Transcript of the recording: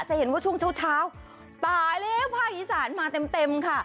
จะเห็นว่าช่วงเช้าตายแล้วภาคอีสานมาเต็มค่ะ